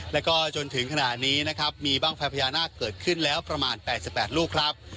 แล้วก็จนถึงขณะนี้นะครับมีบ้างไฟพญานาคเกิดขึ้นแล้วประมาณ๘๘ลูกครับ